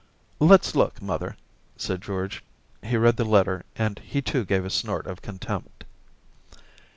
* Let's look, mother,' said George. He read the letter and he too gave a snort of contempt.